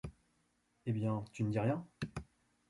Eh bien, tu ne dis rien ?